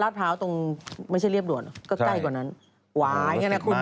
ราดเภาตรงไม่ใช่เลียบด่วนก็ใกล้กว่านั้น